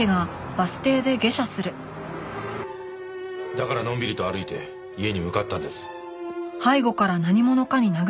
だからのんびりと歩いて家に向かったんです。